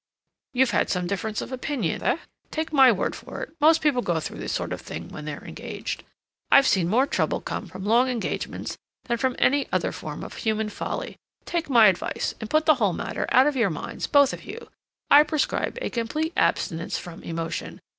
"You've had some difference of opinion, eh? Take my word for it, most people go through this sort of thing when they're engaged. I've seen more trouble come from long engagements than from any other form of human folly. Take my advice and put the whole matter out of your minds—both of you. I prescribe a complete abstinence from emotion.